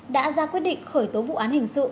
đã ra quyết định khởi tố vụ án hình sự